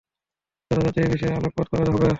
যথাস্থানে এ বিষয়ে আলোকপাত করা হবে।